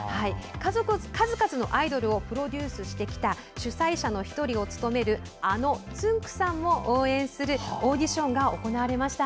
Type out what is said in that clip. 数々のアイドルをプロデュースしてきた主催者の１人を務めるあのつんく♂さんも応援するオーディションが行われました。